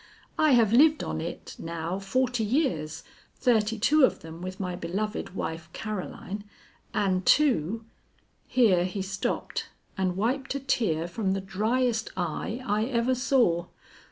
"I have lived on it now forty years, thirty two of them with my beloved wife Caroline, and two " Here he stopped and wiped a tear from the dryest eye I ever saw.